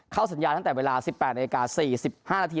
เข้าสัญญาณตั้งแต่เวลา๑๘นาที๔๕นาที